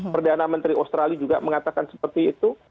perdana menteri australia juga mengatakan seperti itu